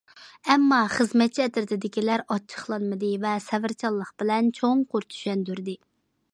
ئەمما خىزمەتچى ئەترىتىدىكىلەر ئاچچىقلانمىدى ۋە سەۋرچانلىق بىلەن چوڭقۇر چۈشەندۈردى.